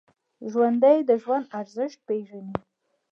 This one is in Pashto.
ژوندي د ژوند ارزښت پېژني